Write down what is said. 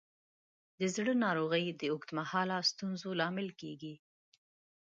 د زړه ناروغۍ د اوږد مهاله ستونزو لامل کېږي.